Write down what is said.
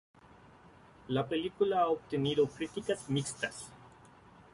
La película ha obtenido críticas mixtas.